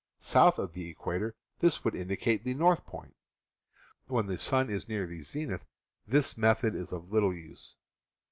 South of the equator this would indicate the north point. When 192 CAMPING AND WOODCRAFT the sun is near the zenith this method is of little use.